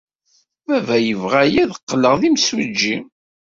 Baba yebɣa-iyi ad qqleɣ d imsujji.